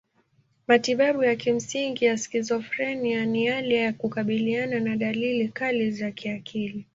Matibabu ya kimsingi ya skizofrenia ni yale ya kukabiliana na dalili kali za kiakili.